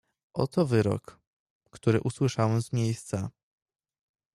"Oto wyrok, który usłyszałem z miejsca."